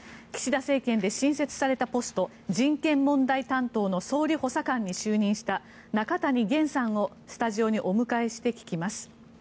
岸田政権で新設されたポスト人権問題担当の総理補佐官に就任した、中谷元さんをスタジオにお迎えして聞きます。